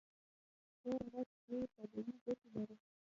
تور مرچ ډېرې طبي ګټې لري.